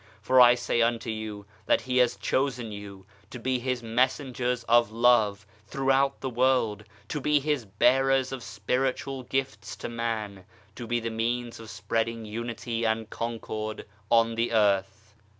For I say unto you that He has chosen you to be His messengers of Love throughout the world, to be His bearers of Spiritual gifts to man, to be the means of spreading Unity and Concord on the earth.